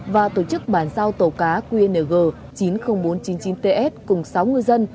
và tổ chức bàn giao tàu cá qng chín mươi nghìn bốn trăm chín mươi chín ts cùng sáu ngư dân